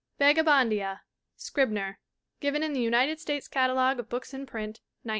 Vagabondia. Scribner. Given in the United States Catalogue of Books in Print (1912).